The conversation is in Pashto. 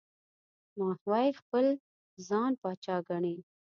ماهوی خپل ځان پاچا ګڼي.